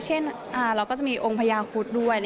เช่นเราก็จะมีองค์พญาคุดด้วย